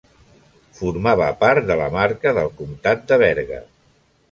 Formava part de la marca del comtat de Berga.